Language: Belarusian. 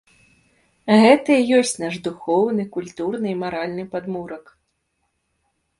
Гэта і ёсць наш духоўны, культурны і маральны падмурак.